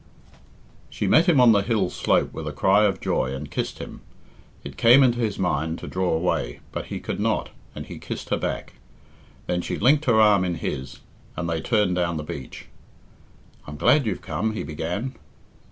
She met him on the hill slope with a cry of joy, and kissed him. It came into his mind to draw away, but he could not, and he kissed her back. Then she linked her arm in his, and they turned down the beach. "I'm glad you've come," he began.